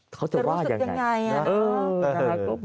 เขาจะว่ายังไงจะรู้สึกยังไง